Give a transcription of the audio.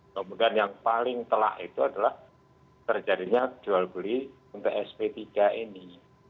kemudian yang paling telah itu adalah terjadinya jual beli untuk sp tiga ini